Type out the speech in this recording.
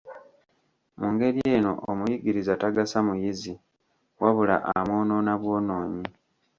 Mu ngeri eno omuyigiriza tagasa muyizi, wabula amwonoona bwonoonyi.